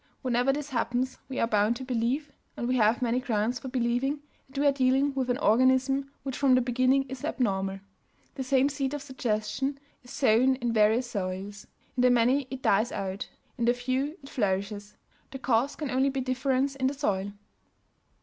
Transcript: Whenever this happens we are bound to believe and we have many grounds for believing that we are dealing with an organism which from the beginning is abnormal. The same seed of suggestion is sown in various soils; in the many it dies out; in the few it flourishes. The cause can only be a difference in the soil.